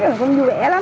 các bạn cũng vui vẻ lắm